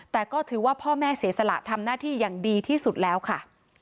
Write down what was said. แต่ก็ถือว่าพ่อแม่เสียสละทำหน้าที่อย่างดีที่สุดแล้วค่ะ